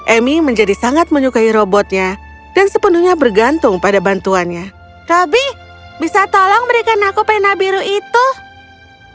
emi menjadi sangat menyukai robotnya dan sepenuhnya bergantung pada bantuannya robby bisa tolong berikan aku penah biru yang terbaik